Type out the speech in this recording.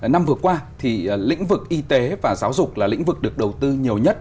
năm vừa qua thì lĩnh vực y tế và giáo dục là lĩnh vực được đầu tư nhiều nhất